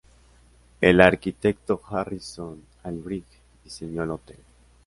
El arquitecto Harrison Albright diseñó el hotel.